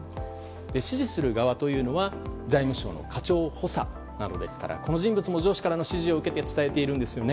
指示する側というのは財務省の課長補佐などですからこの人物も上司からの指示を受けて伝えているんですよね。